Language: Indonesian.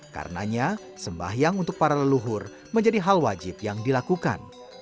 karenanya sembahyang untuk para leluhur menjadi hal wajib yang dilakukan